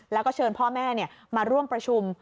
แล้วก็เชิญพ่อแม่มาร่วมประชุม